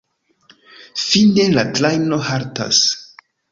Fine la trajno haltas.